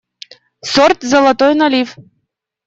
Сорт «золотой налив».